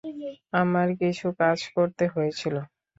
আমার কিছু কাজ করতে হয়েছিলো।